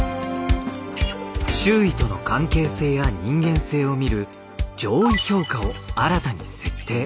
周囲との関係性や人間性を見る情意評価を新たに設定。